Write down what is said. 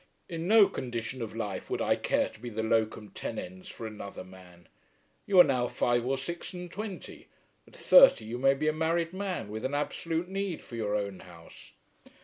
In no condition of life would I care to be the locum tenens for another man. You are now five or six and twenty. At thirty you may be a married man with an absolute need for your own house."